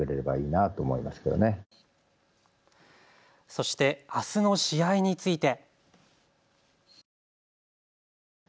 そして、あすの試合について。